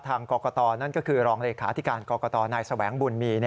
ทางกรกตนั่นก็คือรองเลขาธิการกรกตนายแสวงบุญมี